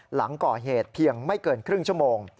หลังก่อเหตุเพียงไม่เกินครึ่งชั่วโมง